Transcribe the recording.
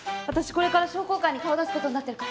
これから商工会に顔出す事になってるから。